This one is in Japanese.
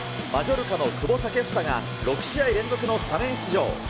マジョルカの久保建英が６試合連続のスタメン出場。